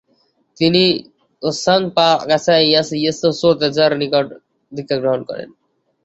তিনি গ্ত্সাং-পা-র্গ্যা-রাস-য়ে-শেস-র্দো-র্জের নিকট দীক্ষাগ্রহণ করেন।